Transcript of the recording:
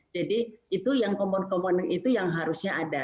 jadi itu yang komponen komponen itu yang harusnya ada